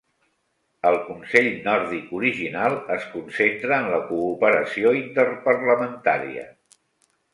El Consell Nòrdic original es concentra en la cooperació interparlamentària.